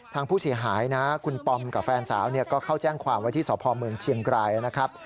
ทางผู้เสียหายนะคุณปอมกับแฟนสาวก็เข้าแจ้งความไว้ที่สพเมืองเชียงรายนะครับ